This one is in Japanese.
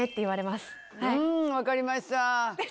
うん分かりました。